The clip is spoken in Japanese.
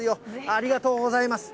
ありがとうございます。